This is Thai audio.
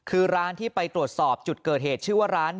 คือร้านที่ไปตรวจสอบจุดเกิดเหตุชื่อว่าร้าน